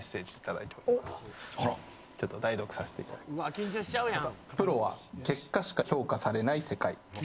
緊張しちゃうやん。